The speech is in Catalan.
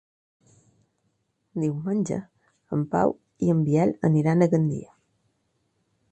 Diumenge en Pau i en Biel aniran a Gandia.